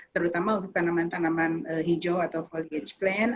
terutama untuk tanaman tanaman hijau atau foliage plant